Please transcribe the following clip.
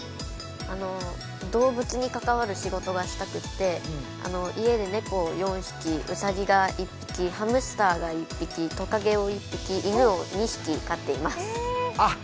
動物に関わる仕事がしたくて、家で猫を４匹、うさぎが１匹ハムスターが１匹、トカゲを１匹犬を２匹飼っています。